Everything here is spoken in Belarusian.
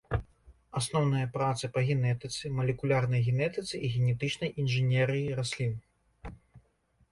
Асноўныя працы па генетыцы, малекулярнай генетыцы і генетычнай інжынерыі раслін.